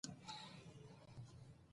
د نجونو محرومیت له زده کړې ستر زیان دی.